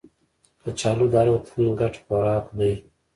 کچالو د هر وطن ګډ خوراک دی